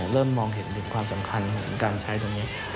เริ่มมองเห็นถึงความสำคัญของการใช้ตรงนี้